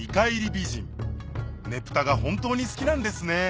美人ねぷたが本当に好きなんですね